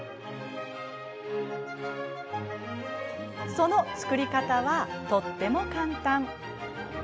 その作り方はとっても簡単。